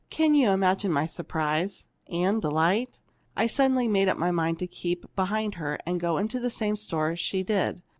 "Can you imagine my surprise and delight? I suddenly made up my mind I'd keep behind her, and go into the same store she did.